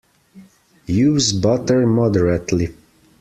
Use butter moderately.